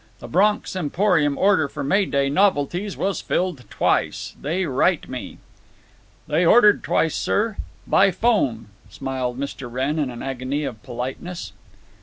The Bronx Emporium order for May Day novelties was filled twice, they write me." "They ordered twice, sir. By 'phone," smiled Mr. Wrenn, in an agony of politeness.